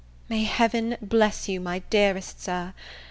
May Heaven bless you, my dearest Sir!